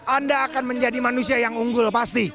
anda akan menjadi manusia yang unggul pasti